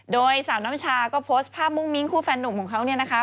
โดยสาวน้ำชาก็โพสต์ภาพมุ้งมิ้งคู่แฟนหนุ่มของเขาเนี่ยนะคะ